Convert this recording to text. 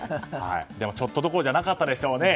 でも、ちょっとどころじゃなかったでしょうね。